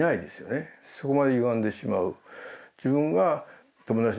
そこまでゆがんでしまう。